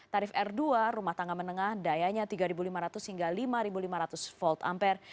tarif r dua rumah tangga menengah dayanya tiga lima ratus hingga lima lima ratus volt ampere